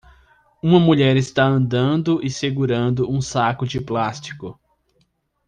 Uma mulher está andando e segurando um saco de plástico.